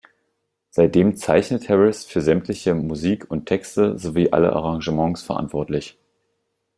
Seitdem zeichnet Harris für sämtliche Musik und Texte sowie alle Arrangements verantwortlich.